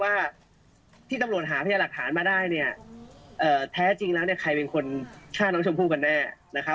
ว่าที่ตำรวจหาพยาหลักฐานมาได้เนี่ยแท้จริงแล้วเนี่ยใครเป็นคนฆ่าน้องชมพู่กันแน่นะครับ